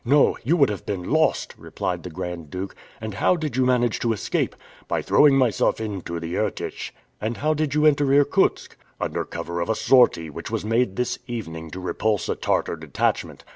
"No; you would have been lost!" replied the Grand Duke. "And how did you manage to escape?" "By throwing myself into the Irtych." "And how did you enter Irkutsk?" "Under cover of a sortie, which was made this evening to repulse a Tartar detachment.